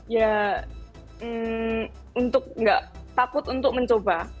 ya untuk nggak takut untuk mencoba